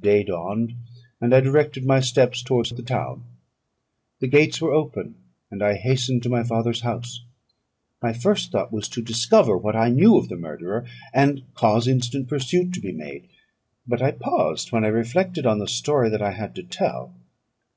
Day dawned; and I directed my steps towards the town. The gates were open, and I hastened to my father's house. My first thought was to discover what I knew of the murderer, and cause instant pursuit to be made. But I paused when I reflected on the story that I had to tell.